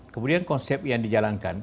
kemudian konsep yang dijalankan